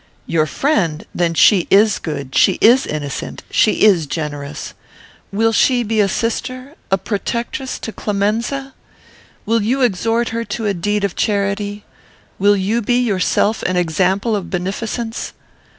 "Your friend? Then she is good; she is innocent; she is generous. Will she be a sister, a protectress, to Clemenza? Will you exhort her to a deed of charity? Will you be, yourself, an example of beneficence?